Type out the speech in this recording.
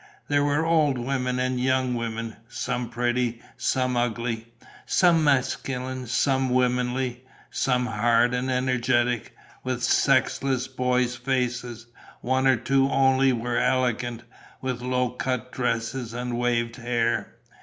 There were old women and young women; some pretty, some ugly; some masculine, some womanly; some hard and energetic, with sexless boys' faces; one or two only were elegant, with low cut dresses and waved hair.